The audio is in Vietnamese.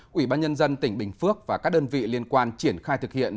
quỹ ban nhân dân tỉnh bình phước và các đơn vị liên quan triển khai thực hiện